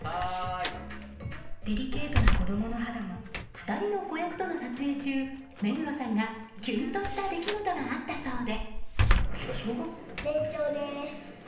２人の子役との撮影中目黒さんがキュンとした出来事があったそうで。